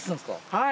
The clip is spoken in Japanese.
はい。